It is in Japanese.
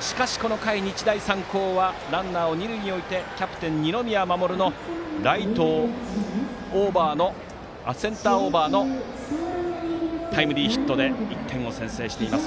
しかしこの回、日大三高はランナーを二塁に置いてキャプテン、二宮士のセンターオーバーのタイムリーヒットで１点を先制しています。